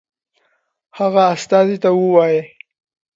هغه استازي ته ووايي.